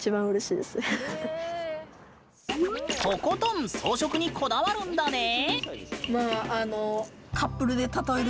とことん装飾にこだわるんだね？